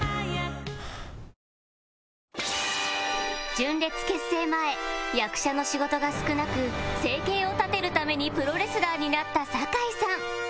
純烈結成前役者の仕事が少なく生計を立てるためにプロレスラーになった酒井さん